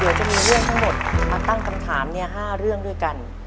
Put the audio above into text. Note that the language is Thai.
เดี๋ยวจะมีเรื่องทั้งหมดมาตั้งคำถาม๕เรื่องด้วยกัน